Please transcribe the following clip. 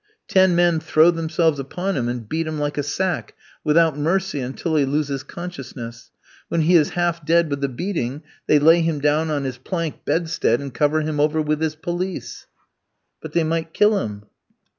"Ten men throw themselves upon him and beat him like a sack without mercy until he loses consciousness. When he is half dead with the beating, they lay him down on his plank bedstead, and cover him over with his pelisse." "But they might kill him."